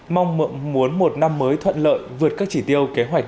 mong muốn một năm mới thuận lợi vượt các chỉ tiêu kế hoạch